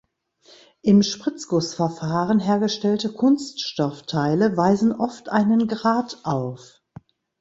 Im Spritzgussverfahren hergestellte Kunststoffteile weisen oft einen Grat auf.